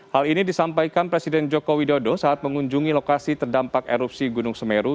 hal ini disampaikan presiden joko widodo saat mengunjungi lokasi terdampak erupsi gunung semeru